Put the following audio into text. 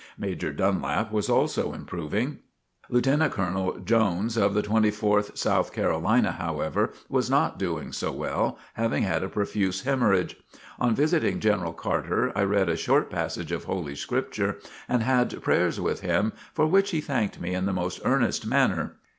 Major Dunlap was also improving. Lieutenant Colonel Jones of the Twenty fourth South Carolina, however, was not doing so well, having had a profuse hemorrhage. On visiting General Carter, I read a short passage of Holy Scripture and had prayers with him for which he thanked me in the most earnest manner.